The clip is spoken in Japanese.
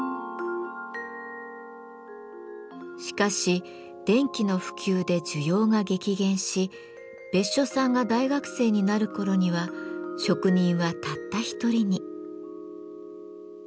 しかし電気の普及で需要が激減し別所さんが大学生になる頃には職人はたった一人に。